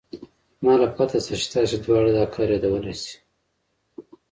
ما له پته شتې چې تاسې دواړه دا كار يادولې شې.